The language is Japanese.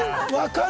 分かる！